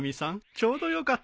ちょうどよかった。